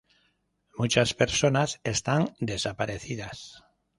Muchas personas están desaparecidas.